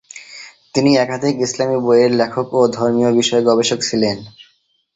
তিনি একাধিক ইসলামী বইয়ের লেখক ও ধর্মীয় বিষয়ে গবেষক ছিলেন।